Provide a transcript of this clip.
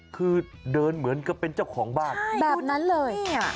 คือเดินเหมือนกับเป็นเจ้าของบ้านดูนี่อ่ะใช่แบบนั้นเลย